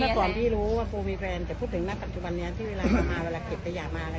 ต้องเข้าไปถึงในบ้านของเนี่ย